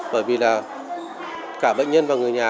bởi vì là cả bệnh nhân và người nhà